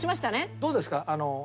どうですか？